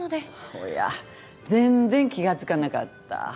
おや全然気が付かなかった。